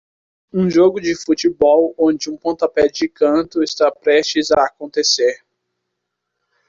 Um jogo de futebol onde um pontapé de canto está prestes a acontecer.